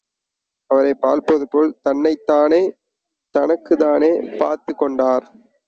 அவரைப் பார்ப்பதுபோல் தன்னைத்தானே, தனக்குத்தானே... பார்த்துக் கொண்டார்.